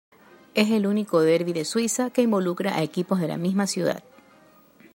Es el único derby de Suiza que involucra a equipos de la misma ciudad.